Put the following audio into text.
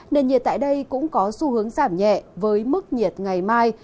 nền nhiệt tại đây cũng có xu hướng giảm nhẹ với mức nhiệt ngày mai